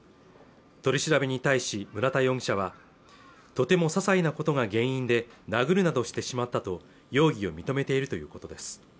取り調べに対し村田容疑者はとても些細なことが原因で殴るなどしてしまったと容疑を認めているということです